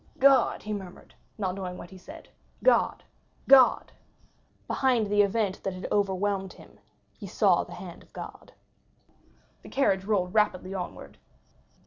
"God," he murmured, not knowing what he said,—"God—God!" Behind the event that had overwhelmed him he saw the hand of God. The carriage rolled rapidly onward.